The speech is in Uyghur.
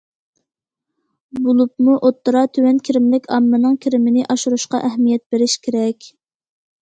بولۇپمۇ ئوتتۇرا تۆۋەن كىرىملىك ئاممىنىڭ كىرىمىنى ئاشۇرۇشقا ئەھمىيەت بېرىش كېرەك.